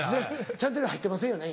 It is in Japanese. チャンネル入ってませんよね？